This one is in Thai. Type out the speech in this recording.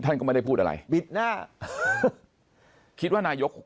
ท่านก็ไม่ได้พูดอะไรบิดหน้าคิดว่านายก